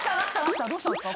どうしたんですか？